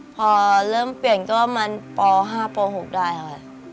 พอเริ่มเปลี่ยนก็ประมาณป๕ป๖ได้ค่ะ